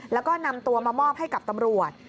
แล้วก็นำตัวมามอบให้กับตำรวจ